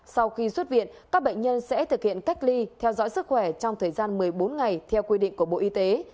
sau khi xuất viện các bệnh nhân sẽ thực hiện cách ly theo dõi sức khỏe trong thời gian một mươi bốn ngày theo quy định của bộ y tế